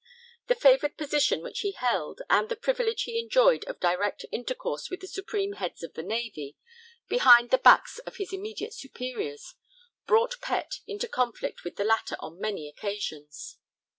The favoured position which he held, and the privilege he enjoyed of direct intercourse with the supreme heads of the Navy behind the backs of his immediate superiors, brought Pett into conflict with the latter on many occasions.